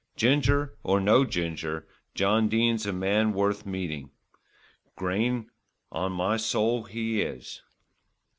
Ginger or no ginger, John Dene's a man worth meeting, Grayne, on my soul he is."